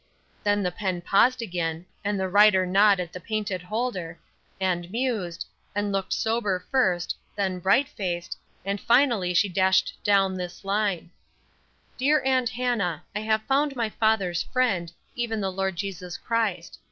Then the pen paused again, and the writer gnawed at the painted holder, and mused, and looked sober first, then bright faced, and finally she dashed down this line: "Dear Aunt Hannah, I have found my father's Friend, even the Lord Jesus Christ.